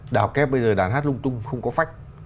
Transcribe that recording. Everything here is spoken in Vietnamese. đào kép bây giờ đàn hát lung tung không có phách